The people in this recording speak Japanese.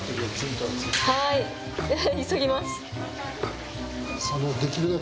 はい、急ぎます。